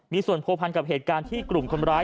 มีส่วนผัวพันกับเหตุการณ์ที่กลุ่มคนร้าย